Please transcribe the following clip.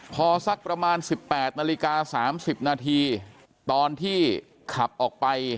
พอสักประมาณ๑๘นาฬิกา๓๐นาทีตอนที่ขับออกไป